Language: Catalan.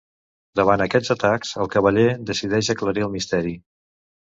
Davant aquests atacs, el cavaller decideix aclarir el misteri.